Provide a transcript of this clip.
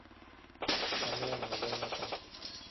আমি অন্যদের মতো না।